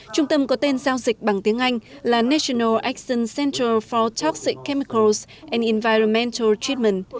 trung tâm có tên giao dịch bằng tiếng anh là national action center for toxic chemicals and environmental treatment